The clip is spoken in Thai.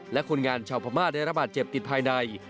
และคนงานชาวพม่าได้ระบาดเจ็บติดภายใน